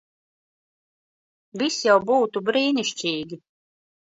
Viss jau būtu brīnišķīgi.